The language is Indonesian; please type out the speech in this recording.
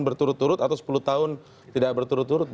berturut turut atau sepuluh tahun tidak berturut turut